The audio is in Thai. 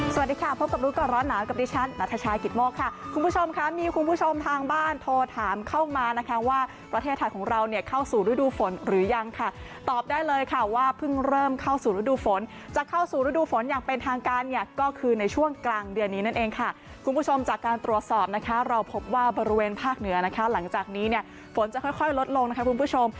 สวัสดีค่ะพบกับรู้ก่อนร้อนหนาว่ากับดิฉันนัทชายกิตโมกค่ะคุณผู้ชมค่ะมีคุณผู้ชมทางบ้านโทรถามเข้ามานะคะว่าประเทศถัดของเราเนี่ยเข้าสู่ฤดูฝนหรือยังค่ะตอบได้เลยค่ะว่าเพิ่งเริ่มเข้าสู่ฤดูฝนจะเข้าสู่ฤดูฝนอย่างเป็นทางการเนี่ยก็คือในช่วงกลางเดือนนี้นั่นเองค่ะคุณผู้ชมจากการตรวจ